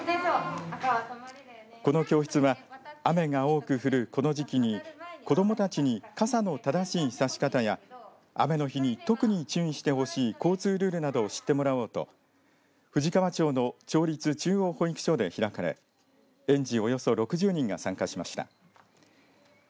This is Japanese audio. この教室は雨が多く降るこの時期に子どもたちに傘も正しい差し方や雨の日に特に注意してほしい交通ルールなどをしてもらおうと富士川町の町立中央保育所で開かれ園児